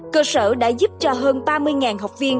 cơ sở đã giúp cho hơn ba mươi học viên